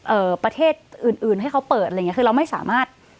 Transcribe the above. ประเทศอื่นอื่นให้เขาเปิดอะไรอย่างเงี้คือเราไม่สามารถ